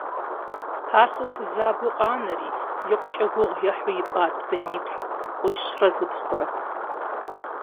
Пасэу фызабэу къанэри, икъукӀэ гугъу ехьу ипӀат быниплӀ: къуищрэ зыпхъурэ.